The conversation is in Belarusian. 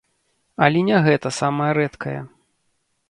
Але не гэта самае рэдкае.